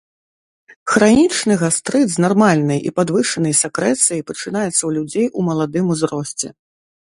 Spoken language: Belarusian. Хранічны гастрыт з нармальнай і падвышанай сакрэцыяй пачынаецца ў людзей у маладым узросце.